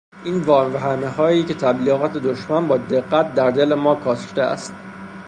این واهمههایی که تبلیغات دشمن با دقت در دل ما کاشته است